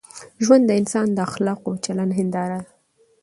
ژوند د انسان د اخلاقو او چلند هنداره ده.